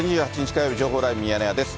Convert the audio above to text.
火曜日、情報ライブミヤネ屋です。